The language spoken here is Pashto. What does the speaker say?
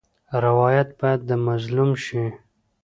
روایت باید د مظلوم شي.